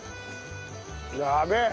やべえ！